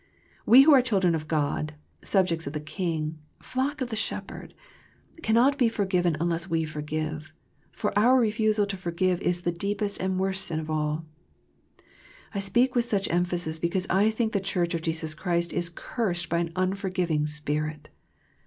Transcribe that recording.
We who are children of God, subjects of the King, flock of the Shepherd, cannot be forgiven unless we forgive, for our refusal to forgive is the deepest and worst sin of all. I speak with such emphasis because I think the Church of Jesus Christ is cursed by an unforgiving spirit.